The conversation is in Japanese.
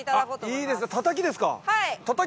いいですねたたきですか。